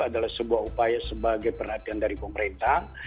adalah sebuah upaya sebagai perhatian dari pemerintah